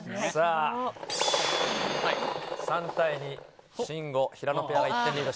３対２、信五・平野ペアが１点リード。